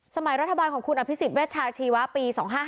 สมัยรัฐบาลของคุณอภิษฎเวชาชีวะปี๒๕๕